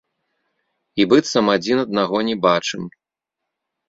І быццам адзін аднаго не бачым.